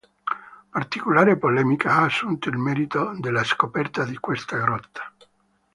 Particolare polemica ha assunto il merito della scoperta di questa grotta.